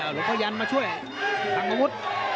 หลวงพ่อยันมาช่วยทางอาวุธ